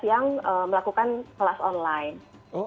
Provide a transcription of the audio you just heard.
yang dua belas yang melakukan kelas online